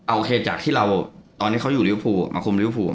โอเคจากที่เราตอนนี้เขาอยู่ริวภูมาคุมริวภู